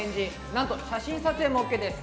なんと写真撮影もＯＫです。